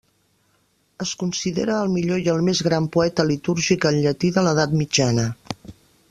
Es considera el millor i el més gran poeta litúrgic en llatí de l'edat mitjana.